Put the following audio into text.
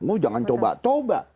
oh jangan coba coba